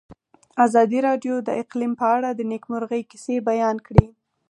ازادي راډیو د اقلیم په اړه د نېکمرغۍ کیسې بیان کړې.